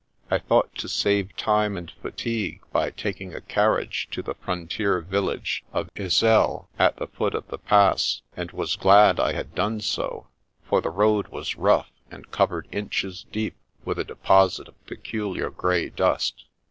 I thought to save time and fatigue by taking a carriage to the frontier village of Iselle at the foot of the Pass, and was glad I had done so, for the road was rough and covered inches deep with a deposit of peculiar, grey dust.